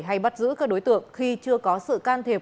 hay bắt giữ các đối tượng khi chưa có sự can thiệp